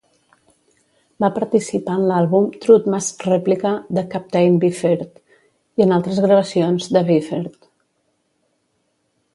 Va participar en l'àlbum "Trout Mask Replica" de Captain Beefheart i en altres gravacions de Beefheart.